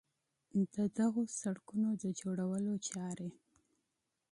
د دغو سړکونو د جوړولو چارې